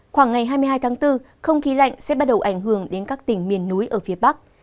khoảng ngày hai mươi hai tháng bốn không khí lạnh sẽ bắt đầu ảnh hưởng đến các tỉnh miền núi ở phía bắc